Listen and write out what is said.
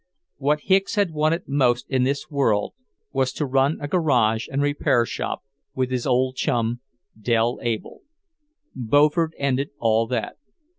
What Hicks had wanted most in this world was to run a garage and repair shop with his old chum, Dell Able. Beaufort ended all that.